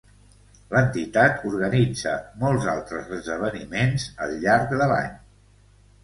L'entitat organitza molts altres esdeveniments al llarg de l'any.